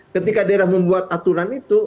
ketika daerah membuat aturan itu